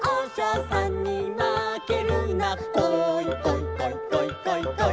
「こいこいこいこいこいこい」